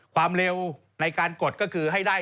ความเร็วในการกดก็คือให้ได้